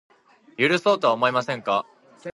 許そうとは思いませんか